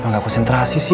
kenapa gak konsentrasi sih